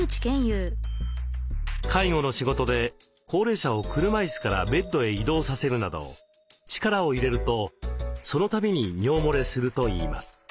介護の仕事で高齢者を車いすからベッドへ移動させるなど力を入れるとそのたびに尿もれするといいます。